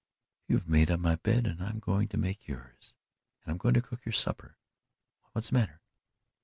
"You've made up my bed and I'm going to make yours and I'm going to cook your supper why, what's the matter?"